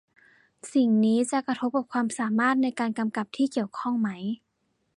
สิ่งนี้จะกระทบกับความสามารถในการกำกับที่เกี่ยวข้องไหม